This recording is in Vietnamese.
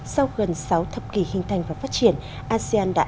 sau gần sáu thập kỷ hình thành và phát triển